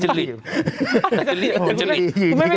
เจรียร์อยู่ที่นี่ก็น่ากลัว